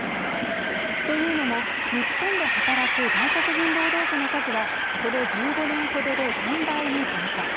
というのも日本で働く外国人労働者の数はこの１５年ほどで４倍に増加。